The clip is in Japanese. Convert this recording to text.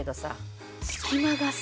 隙間がさ。